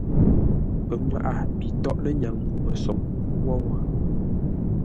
Pənŋwaʼa pi tóghʼ lə́nyaŋ ŋuu-məsoŋ wó wó.